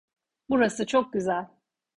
Burası çok güzel.